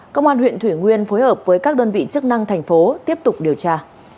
công an huyện thủy nguyên phối hợp với các đơn vị chức năng thành phố tiếp tục điều tra